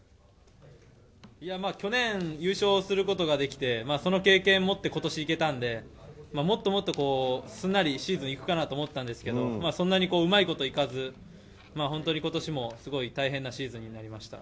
去年、優勝することができて、その経験をもって、ことし、いけたんで、もっともっとすんなりシーズンいくかなと思ったんですけど、そんなにうまいこといかず、本当にことしもすごい大変なシーズンになりました。